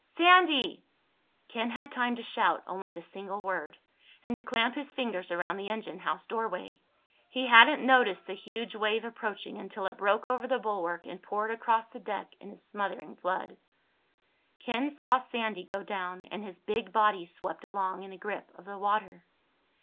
"Sandy!" Ken had time to shout only the single word, and to clamp his fingers around the engine house doorway. He hadn't noticed the huge wave approaching until it broke over the bulwark and poured across the deck in a smothering flood. Ken saw Sandy go down and his big body swept along in the grip of the water.